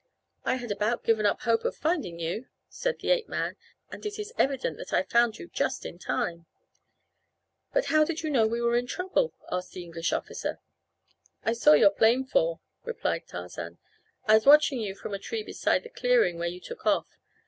"I had about given up hope of finding you," said the ape man, "and it is evident that I found you just in time." "But how did you know we were in trouble?" asked the English officer. "I saw your plane fall," replied Tarzan. "I was watching you from a tree beside the clearing where you took off.